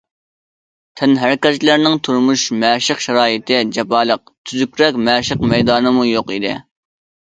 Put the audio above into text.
تەنھەرىكەتچىلەرنىڭ تۇرمۇش، مەشىق شارائىتى جاپالىق، تۈزۈكرەك مەشىق مەيدانىمۇ يوق ئىدى.